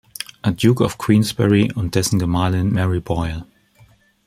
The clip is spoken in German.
Duke of Queensberry und dessen Gemahlin Mary Boyle.